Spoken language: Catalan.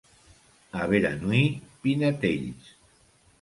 A Beranui, pinetells.